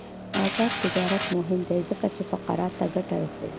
آزاد تجارت مهم دی ځکه چې فقراء ته ګټه رسوي.